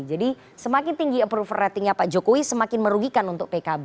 jadi semakin tinggi approval ratingnya pak jokowi semakin merugikan untuk pkb